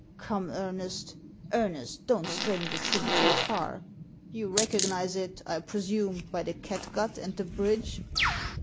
"Come, Ernest! Ernest! don't strain the thing too far. You recognise it, I presume, by the catgut and the bridge."